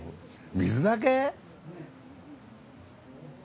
水だけ？